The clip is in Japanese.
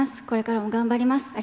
これからも頑張ります。